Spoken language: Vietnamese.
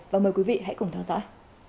và mời quý vị hãy cùng theo dõi